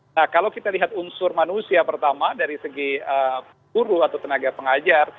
nah kalau kita lihat unsur manusia pertama dari segi guru atau tenaga pengajar